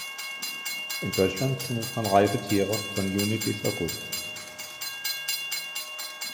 In Deutschland findet man reife Tiere von Juni bis August.